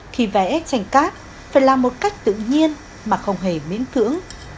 khi vẽ tranh cát phải làm một cách tự nhiên mà không hề miễn thưởng